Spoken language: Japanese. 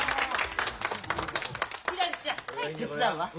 ひらりちゃん手伝うわ。